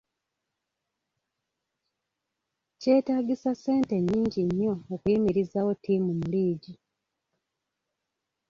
Kyetaagisa ssente nyingi nnyo okuyimirizaawo ttiimu mu liigi.